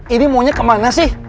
ini maunya kemana sih